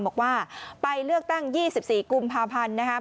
บอกว่าไปเลือกตั้ง๒๔กุมภาพันธ์นะครับ